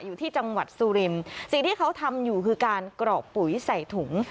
อยู่ที่จังหวัดสุรินทร์สิ่งที่เขาทำอยู่คือการกรอกปุ๋ยใส่ถุง